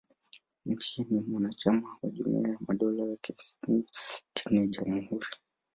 Nchi ni mwanachama wa Jumuiya ya Madola, lakini ni jamhuri.